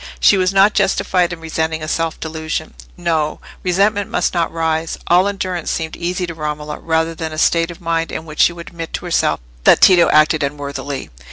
She was not justified in resenting a self delusion. No! resentment must not rise: all endurance seemed easy to Romola rather than a state of mind in which she would admit to herself that Tito acted unworthily.